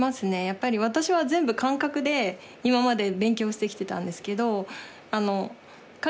やっぱり私は全部感覚で今まで勉強してきてたんですけど。